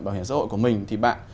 bảo hiểm xã hội của mình thì bạn